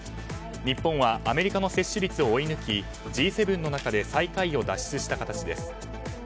日本はアメリカの接種率を追い抜きＧ７の中で最下位を脱出した形です。